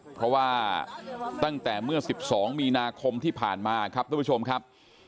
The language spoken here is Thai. เพราะว่าตั้งแต่เมื่อ๑๒มีนาคมที่ผ่านมาครับทุกผู้ชมครับ